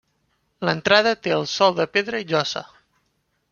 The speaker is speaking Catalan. L'entrada té el sol de pedra i llosa.